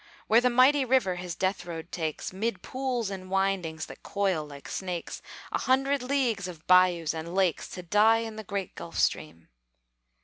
Where the Mighty River his death road takes, 'Mid pools and windings that coil like snakes, A hundred leagues of bayous and lakes, To die in the great Gulf Stream?